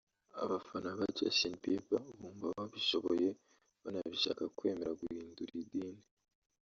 abafana ba Justin Bieber bumva babishoboye banabishaka kwemera guhindura idini